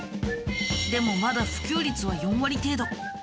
でもまだ普及率は４割程度。